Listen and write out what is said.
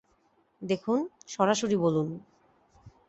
দেখুন, সরাসরি বলুন।